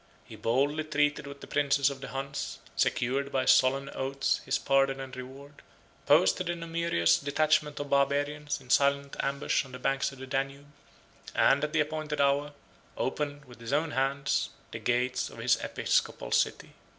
He boldly treated with the princes of the Huns: secured, by solemn oaths, his pardon and reward; posted a numerous detachment of Barbarians, in silent ambush, on the banks of the Danube; and, at the appointed hour, opened, with his own hand, the gates of his episcopal city.